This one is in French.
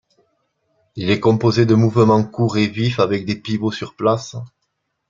Il est composé de mouvements courts et vif avec des pivots sur place.